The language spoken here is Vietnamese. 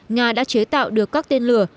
nga đã chế tạo được các tên lửa